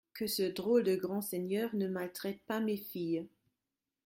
Que ce drôle de grand seigneur ne maltraite pas mes filles.